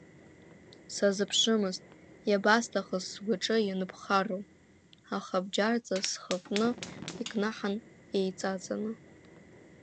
Сазыԥшымызт, иабасҭахыз сгәаҿы ианыԥхарроу, аха бџьарҵас схаҟны икнаҳан еиҵаҵаны…